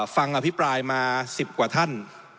อภิปรายมา๑๐กว่าท่าน